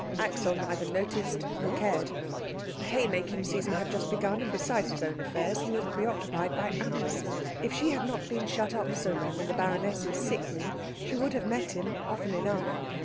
Axel neither noticed nor cared. The haymaking season had just begun, and besides his own affairs he was preoccupied by Anna's. If she had not been shut up so long in the baroness's sick room she would have met him often enough.